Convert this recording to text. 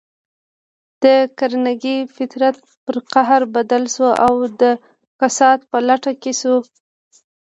د کارنګي فطرت پر قهر بدل شو او د کسات په لټه کې شو.